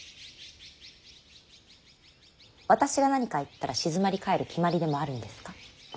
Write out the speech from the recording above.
私が何か言ったら静まり返る決まりでもあるんですか。